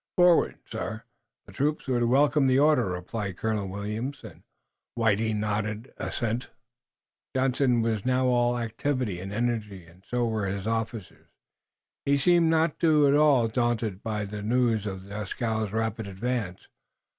"Forward, sir! The troops would welcome the order!" replied Colonel Williams, and Whiting nodded assent. Johnson was now all activity and energy and so were his officers. He seemed not at all daunted by the news of Dieskau's rapid advance.